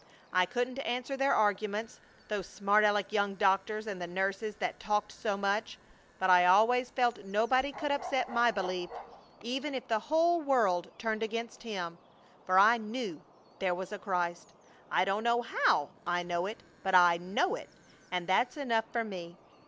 I couldn't answer their arguments, those smart Aleck young doctors and the nurses that talked so much, but I always felt nobody could upset my belief, even if the whole world turned against Him, for I knew there was a Christ! I don't know how I know it, but I know it and that's enough for me!